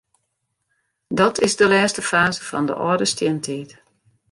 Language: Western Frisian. Dat is de lêste faze fan de âlde stientiid.